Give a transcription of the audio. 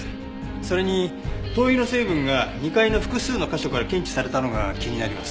それに灯油の成分が２階の複数の箇所から検知されたのが気になります。